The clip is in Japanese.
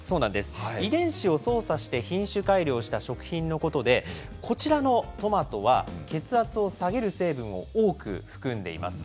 遺伝子を操作して、品種改良した食品のことで、こちらのトマトは、血圧を下げる成分を多く含んでいます。